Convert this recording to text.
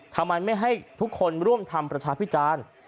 ทำไมไม่ให้ทุกคนร่วมทำประชาพิจารณ์